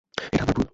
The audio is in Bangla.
এটা আমার ভুল।